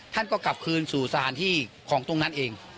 ท่านก็กลับคืนสู่สถานที่ของตรงนั้นเอง